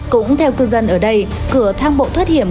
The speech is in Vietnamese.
cũng theo cư dân ở đây cửa thang bộ thoát hiểm